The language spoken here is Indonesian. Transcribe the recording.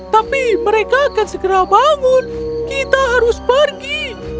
tapi mereka akan segera bangun kita harus pergi